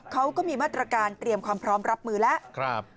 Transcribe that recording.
เขาก็มีมาตรการเตรียมความพร้อมรับมือแล้ว